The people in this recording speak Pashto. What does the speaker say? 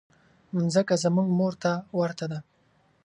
مځکه زموږ مور ته ورته ده.